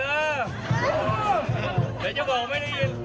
เดี๋ยวจะบอกไม่ได้ยิน